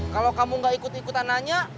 kalau kamu gak ikut ikutan nanya